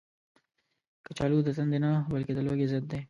کچالو د تندې نه، بلکې د لوږې ضد دی